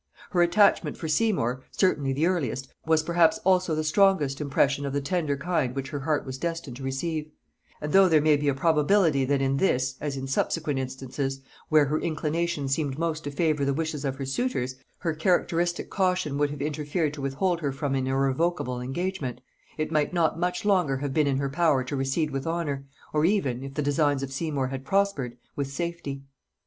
Her attachment for Seymour, certainly the earliest, was perhaps also the strongest, impression of the tender kind which her heart was destined to receive; and though there may be a probability that in this, as in subsequent instances, where her inclinations seemed most to favor the wishes of her suitors, her characteristic caution would have interfered to withhold her from an irrevocable engagement, it might not much longer have been in her power to recede with honor, or even, if the designs of Seymour had prospered, with safety.